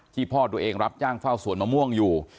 พ่อตัวเองรับจ้างเฝ้าสวนมะม่วงอยู่